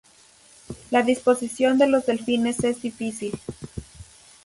La disposición de los delfines es difícil.